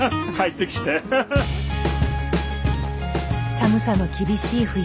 寒さの厳しい冬。